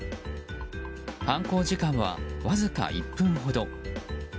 犯行時間はわずか１分ほど。